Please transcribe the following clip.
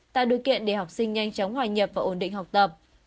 tạo đối kiện để học sinh nhanh chóng hoài nhập và ổn định học tập